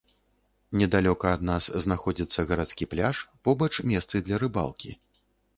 Недалёка ад нас знаходзіцца гарадскі пляж, побач месцы для рыбалкі.